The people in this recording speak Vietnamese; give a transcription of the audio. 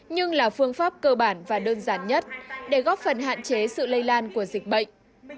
nhưng là phương pháp cơ bản và đơn giản nhất để góp phần hạn chế sự lây lan của dịch bệnh